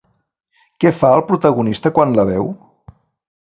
Què fa el protagonista quan la veu?